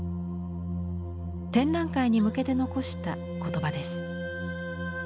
展覧会に向けて残した言葉です。